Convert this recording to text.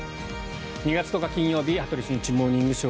２月１０日、金曜日「羽鳥慎一モーニングショー」。